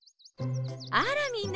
あらみんな！